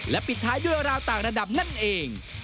ปิดท้ายด้วยราวต่างระดับนั่นเอง